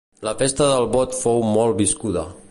La festa del Vot fou molt viscuda.